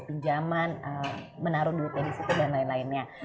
pinjaman menaruh duitnya di situ dan lain lainnya